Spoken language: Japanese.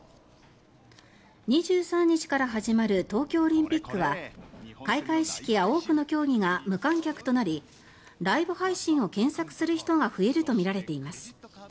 ２３日から始まる東京オリンピックは開会式や多くの競技が無観客となりライブ配信を検索する人が増えるとみられています。